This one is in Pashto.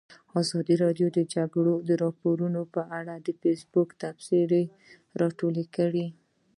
ازادي راډیو د د جګړې راپورونه په اړه د فیسبوک تبصرې راټولې کړي.